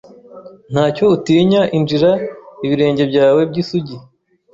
ntacyo utinya injira ibirenge byawe byisugi